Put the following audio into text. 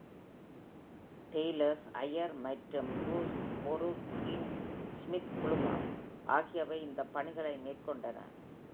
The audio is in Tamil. டெய்லர்ஸ் ஐயர் மற்றும் லூஹ்போரூஹ்வின் ஸ்மித் குழுமம் ஆகியவை இந்த பணிகளை மேற்கொண்டன.